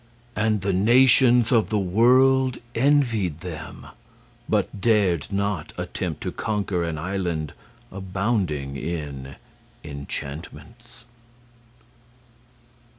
And the nations of the world envied them, but dared not attempt to conquer an island abounding in enchantments.